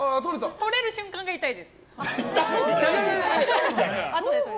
取れる瞬間が痛いです。